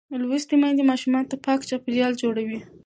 لوستې میندې ماشوم ته پاک چاپېریال جوړوي.